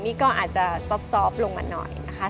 นี่ก็อาจจะซอบลงมาหน่อยนะคะ